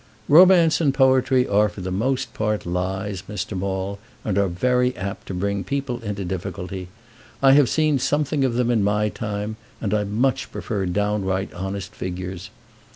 "Romance and poetry are for the most part lies, Mr. Maule, and are very apt to bring people into difficulty. I have seen something of them in my time, and I much prefer downright honest figures.